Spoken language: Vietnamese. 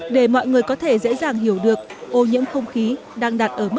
để mọi người có thể dễ dàng hiểu được ô nhiễm không khí đang đạt ở mức độ nào